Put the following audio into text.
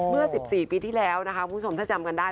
เมื่อ๑๔ปีที่แล้วนะคะคุณผู้ชมถ้าจำกันได้